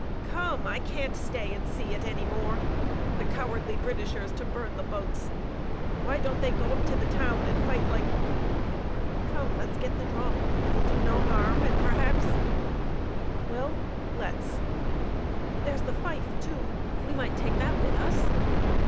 "Come, I can't stay and see it any more. The cowardly Britishers to burn the boats! Why don't they go up to the town and fight like " "Come, let's get the drum. It'll do no harm; and perhaps " "Well, let's. There's the fife, too; we might take that with us."